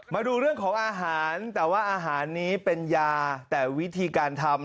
มาดูเรื่องของอาหารแต่ว่าอาหารนี้เป็นยาแต่วิธีการทำ